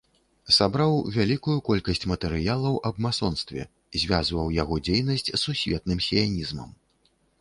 Сабраў вялікую колькасць матэрыялаў аб масонстве, звязваў яго дзейнасць з сусветным сіянізмам.